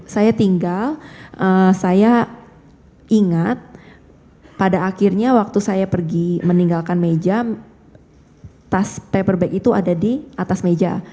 saya tinggal saya ingat pada akhirnya waktu saya pergi meninggalkan meja tas paper bag itu ada di atas meja